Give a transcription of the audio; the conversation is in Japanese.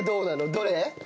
どれ？